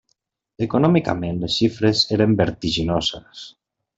Econòmicament les xifres eren vertiginoses.